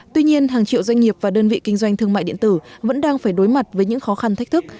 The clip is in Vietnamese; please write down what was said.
tuy nhiên hàng triệu doanh nghiệp và đơn vị kinh doanh thương mại điện tử vẫn đang phải đối mặt với những khó khăn thách thức